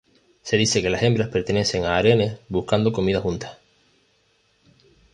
Se dice que las hembras pertenecen a harenes, buscando comida juntas.